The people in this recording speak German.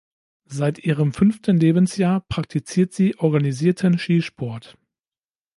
Seit ihrem fünften Lebensjahr praktiziert sie organisierten Skisport.